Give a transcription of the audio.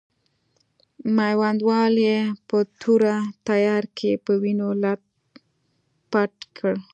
میوندوال یې په توره تیاره کې په وینو لت پت کړ.